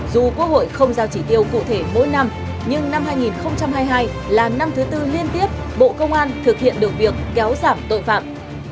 dù quốc hội không giao chỉ tiêu cụ thể mỗi năm nhưng năm hai nghìn hai mươi hai là năm thứ tư liên tiếp bộ công an thực hiện được việc kéo giảm tội phạm